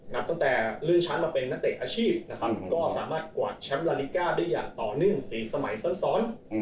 ตั้งแต่ลื่นชั้นมาเป็นนักเตะอาชีพนะครับก็สามารถกวาดแชมป์ลาลิก้าได้อย่างต่อเนื่อง๔สมัยซ้อน